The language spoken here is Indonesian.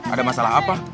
ada masalah apa